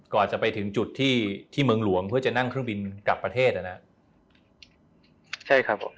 กว่าจะไปถึงจุดที่เมืองหลวงเพื่อจะนั่งเครื่องบินกลับประเทศนะนะครับ